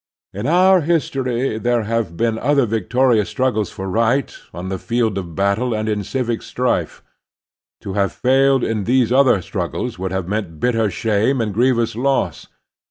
In our history there have been other victorious struggles for right, on the field of battle and in civic strife. To have failed The Heroic Virtues 251 in these other struggles would have meant bitter shame and grievous loss.